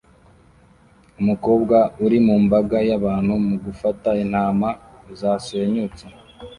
Umukobwa uri mu mbaga y'abantu mu gufata intama zasenyutse